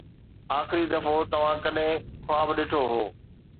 آخري دفعو توهان ڪڏهن خواب ڏٺو هو؟